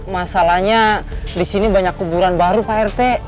masalahnya di sini banyak kuburan baru pak rt